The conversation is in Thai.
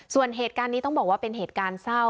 ส่วนเหตุการณ์นี้ต้องบอกว่าเป็นเหตุการณ์เศร้า